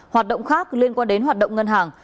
hoạt động khác liên quan đến hoạt động ngân hàng